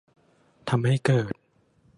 ทำให้เกิด